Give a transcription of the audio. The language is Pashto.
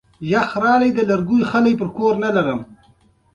تخته مې د سر له پاسه ونیول، آن دې ته.